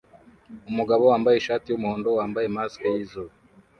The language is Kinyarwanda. Umugabo wambaye ishati yumuhondo wambaye mask yizuba